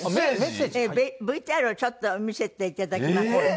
ＶＴＲをちょっと見せていただきます。